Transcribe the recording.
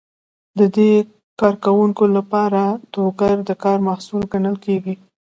د دې کارکوونکو لپاره ټوکر د کار محصول ګڼل کیږي.